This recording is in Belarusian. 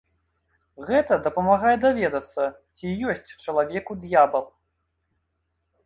Гэта дапамагае даведацца, ці ёсць чалавеку д'ябал.